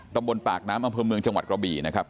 ตำบลปากน้ำอำเภอเมืองจังหวัดกระบี่นะครับ